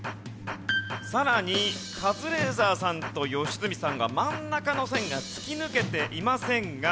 さらにカズレーザーさんと良純さんが真ん中の線が突き抜けていませんが。